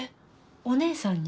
お姉さんに？